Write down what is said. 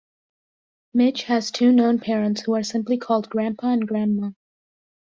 Midge has two known parents who are simply called "Grandpa" and "Grandma".